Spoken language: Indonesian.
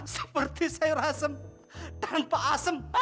seperti sayur asem tanpa asem